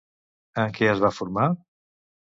En què es va formar?